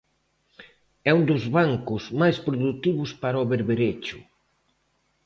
É un dos bancos máis produtivos para o berberecho.